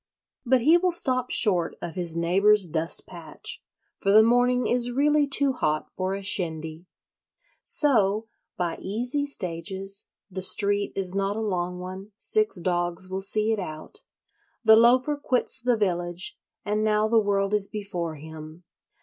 But he will stop short of his neighbour's dust patch; for the morning is really too hot for a shindy. So, by easy stages (the street is not a long one: six dogs will see it out), the Loafer quits the village; and now the world is before him.